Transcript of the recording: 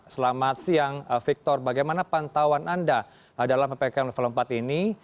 selamat siang victor bagaimana pantauan anda dalam ppkm level empat ini